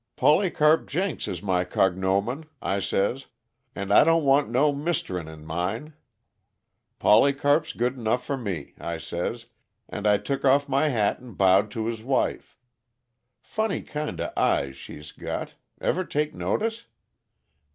"'Polycarp Jenks is my cognomen,' I says. 'And I don't want no misterin' in mine. Polycarp's good enough for me,' I says, and I took off my hat and bowed to 'is wife. Funny kinda eyes, she's got ever take notice?